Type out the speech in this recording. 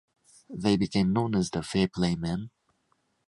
They became known as the Fair Play Men.